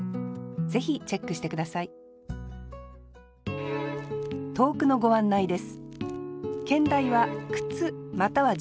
ぜひチェックして下さい投句のご案内です